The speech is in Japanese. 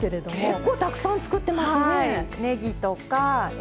結構たくさん作ってますねえ。